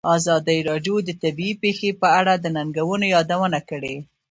ازادي راډیو د طبیعي پېښې په اړه د ننګونو یادونه کړې.